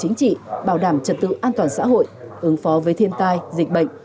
chính trị bảo đảm trật tự an toàn xã hội ứng phó với thiên tai dịch bệnh